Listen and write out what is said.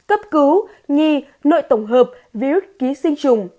cấp cứu nhi nội tổng hợp virus ký sinh trùng